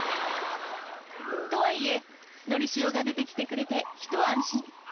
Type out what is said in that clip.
とはいえのりしおが出てきてくれてひと安心